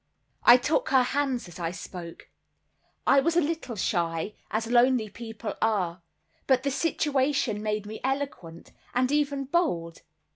I took her hand as I spoke. I was a little shy, as lonely people are, but the situation made me eloquent, and even bold.